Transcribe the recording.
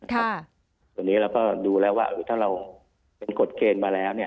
ตอนนี้เราก็ดูแล้วว่าถ้าเราเป็นกฎเกณฑ์มาแล้ว